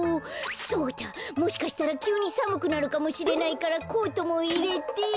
そうだもしかしたらきゅうにさむくなるかもしれないからコートもいれて。